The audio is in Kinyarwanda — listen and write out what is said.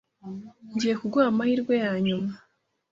Ngiye kuguha amahirwe yanyuma.